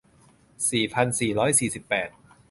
สี่พันสี่ร้อยสี่สิบแปด